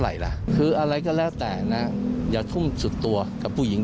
อะไรล่ะคืออะไรก็แล้วแต่นะอย่าทุ่มสุดตัวกับผู้หญิง